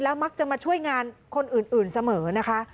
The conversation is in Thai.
มักจะมาช่วยงานคนอื่นเสมอนะคะ